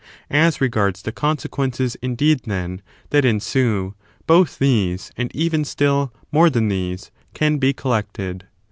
As regards the conse quences, indeed, then, that ensue, both these, and even still more than these, can be collected.